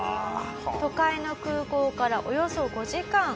都会の空港からおよそ５時間。